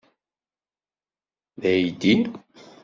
D aydi.